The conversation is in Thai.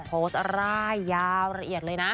โพสต์ร่ายยาวละเอียดเลยนะ